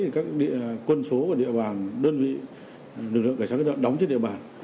các quân số của địa bàn đơn vị lực lượng cảnh sát các đoạn đóng trên địa bàn